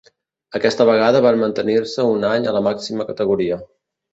Aquesta vegada van mantenir-se un any a la màxima categoria.